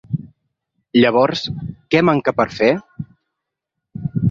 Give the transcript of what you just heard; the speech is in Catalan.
Llavors, què manca per fer?